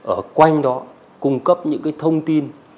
ở quanh đó cung cấp những thông tin